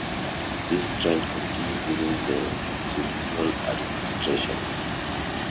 This trend continued during the Sullivan administration.